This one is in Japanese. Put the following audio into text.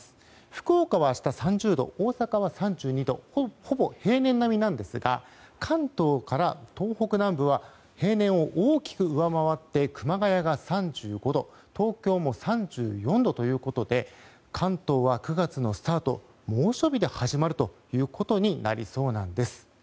福岡は明日３０度大阪は３２度ほぼ平年並みなんですが関東から東北南部は平年を大きく上回って熊谷が３５度東京も３４度ということで関東は、９月のスタート猛暑日で始まることになりそうなんです。